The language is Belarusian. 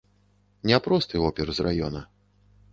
Не просты опер з раёна.